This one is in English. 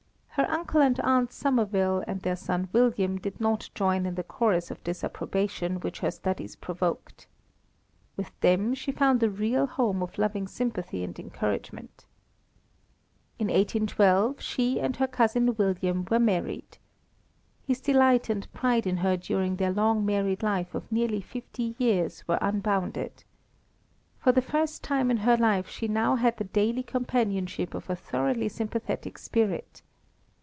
Her Uncle and Aunt Somerville and their son William did not join in the chorus of disapprobation which her studies provoked. With them she found a real home of loving sympathy and encouragement. In 1812 she and her cousin William were married. His delight and pride in her during their long married life of nearly fifty years were unbounded. For the first time in her life she now had the daily companionship of a thoroughly sympathetic spirit.